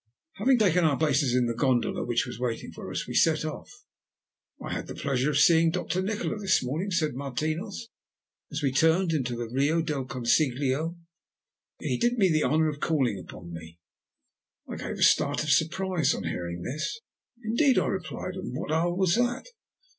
Having taken our places in the gondola which was waiting for us, we set off. "I had the pleasure of seeing Doctor Nikola this morning," said Martinos, as we turned into the Rio del Consiglio. "He did me the honour of calling upon me." I gave a start of surprise on hearing this. "Indeed," I replied. "And at what hour was that?"